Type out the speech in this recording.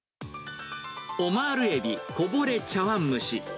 オマール海老こぼれ茶碗蒸し。